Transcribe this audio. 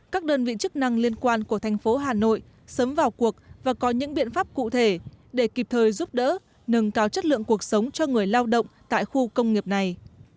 các đơn vị chức năng liên quan của thành phố hà nội sớm vào cuộc và có những biện pháp cụ thể để kịp thời giúp đỡ nâng cao chất lượng cuộc sống cho người lao động tại khu công nghiệp này